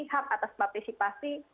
hak atas partisipasi